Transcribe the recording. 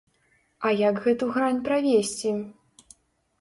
А як гэту грань правесці?